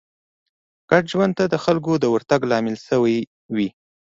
ګډ ژوند ته د خلکو د ورتګ لامل شوې وي